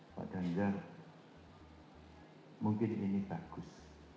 padahal mungkin ini bagus